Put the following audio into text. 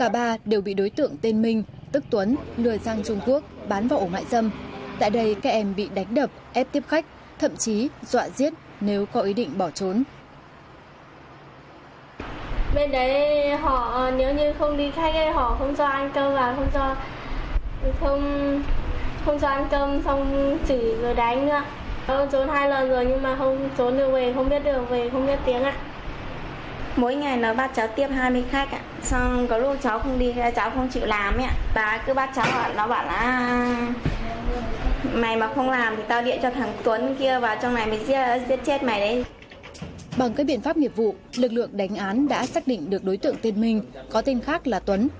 bằng các biện pháp nghiệp vụ lực lượng đánh án đã xác định được đối tượng tên mình có tên khác là tuấn